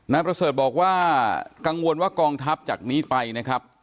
นายประเสริฐบอกว่ากังวลว่ากองทัพจากนี้ไปนะครับ